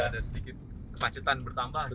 ada sedikit kemacetan bertambah